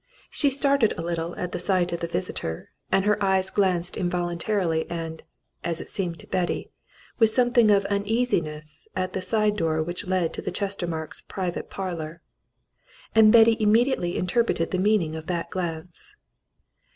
She started a little at sight of the visitor, and her eyes glanced involuntarily and, as it seemed to Betty, with something of uneasiness, at the side door which led into the Chestermarkes' private parlour. And Betty immediately interpreted the meaning of that glance.